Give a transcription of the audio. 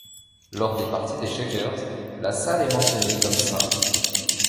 Lors des parties des Checkers, la salle est mentionnée comme St.